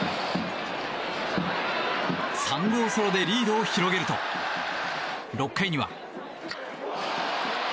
３号ソロでリードを広げると６回には。